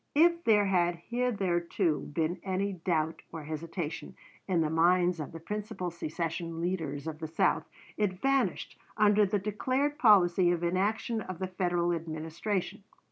If there had hitherto been any doubt or hesitation in the minds of the principal secession leaders of the South, it vanished under the declared policy of inaction of the Federal Administration.